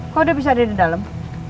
kok dia bisa ada di dalam